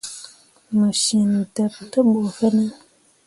Mo cen ɗeɓ te bu fine ?